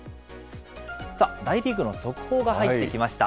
大リーグの速報が入ってきました。